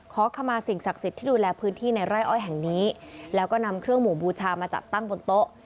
ขอขมาสิ่งศักดิ์สิทธิ์ที่ดูแลพื้นที่ในไร่อ้อยแห่งนี้แล้วก็นำเครื่องหมู่บูชามาจัดตั้งบนโต๊ะ